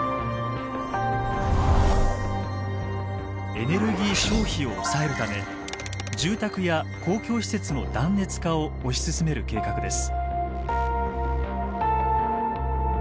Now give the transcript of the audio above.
エネルギー消費を抑えるため住宅や公共施設の断熱化を推し進める計画です。